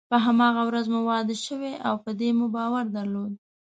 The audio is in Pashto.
په هماغه ورځ مو واده شوی او په دې مو باور درلود.